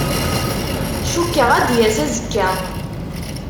Cukkeɣ ad d-yas azekka.